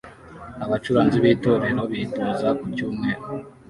Abacuranzi b'Itorero bitoza ku cyumweru